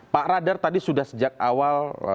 pak radar tadi sudah sejak awal